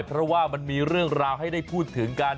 เพราะว่ามันมีเรื่องราวให้ได้พูดถึงกัน